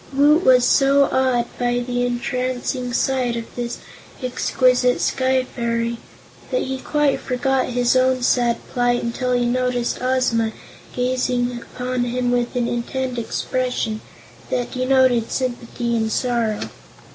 Woot was so awed by the entrancing sight of this exquisite Sky Fairy that he quite forgot his own sad plight until be noticed Ozma gazing upon him with an intent expression that denoted sympathy and sorrow.